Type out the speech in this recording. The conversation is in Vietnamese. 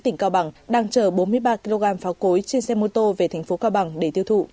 tỉnh cao bằng đang chở bốn mươi ba kg pháo cối trên xe mô tô về thành phố cao bằng để tiêu thụ